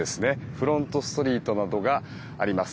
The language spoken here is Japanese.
フロントストリートなどがあります。